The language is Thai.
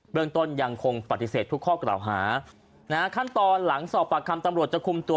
เมืองต้นยังคงปฏิเสธทุกข้อกล่าวหานะฮะขั้นตอนหลังสอบปากคำตำรวจจะคุมตัว